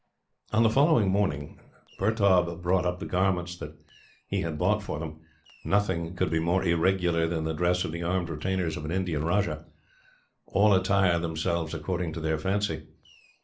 On the following morning, Pertaub brought up the garments that he had bought for them. Nothing could be more irregular than the dress of the armed retainers of an Indian rajah. All attire themselves according to their fancy.